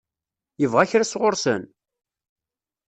Yebɣa kra sɣur-sen?